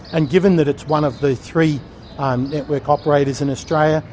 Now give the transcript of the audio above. dan karena ini salah satu dari tiga jaringan optus di australia